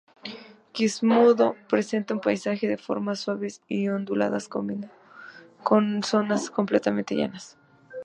Quismondo presenta un paisaje de formas suaves y onduladas combinado con zonas completamente llanas.